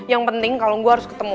yang penting kalau gue harus ketemu